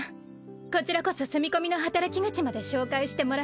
こちらこそ住み込みの働き口まで紹介してもらって。